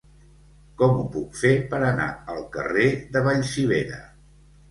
Com ho puc fer per anar al carrer de Vallcivera?